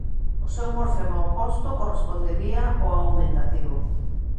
O seu morfema oposto correspondería ó aumentativo.